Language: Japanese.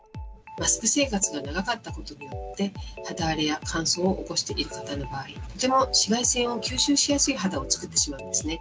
マスク生活が長かったことによって、肌荒れや乾燥を起こしている方の場合、とても紫外線を吸収しやすい肌を作ってしまうんですね。